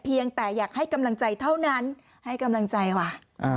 เพียงแต่อยากให้กำลังใจเท่านั้นให้กำลังใจค่ะ